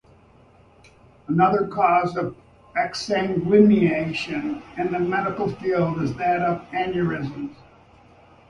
Another cause of exsanguination in the medical field is that of aneurysms.